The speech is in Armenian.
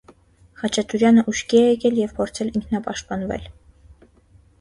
Խաչատուրյանը ուշքի է եկել և փորձել ինքնապաշտպանվել։